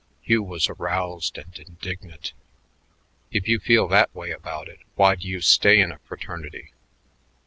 Hugh was aroused and indignant. "If you feel that way about it, why do you stay in a fraternity?"